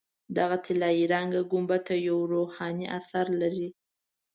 دغه طلایي رنګه ګنبده یو روحاني اثر لري.